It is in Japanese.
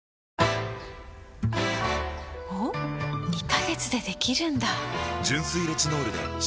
２カ月でできるんだ！